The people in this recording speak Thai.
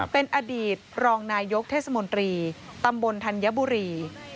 เป็นอดีตรองนายกเทศมนตรีตำบลธัญบุรี